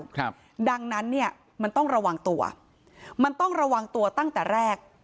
ครับดังนั้นเนี้ยมันต้องระวังตัวมันต้องระวังตัวตั้งแต่แรก